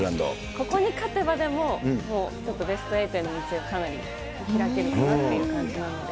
ここに勝てば、でも、もう、ちょっとベストエイトへの道はかなり開けるかなっていう感じなので。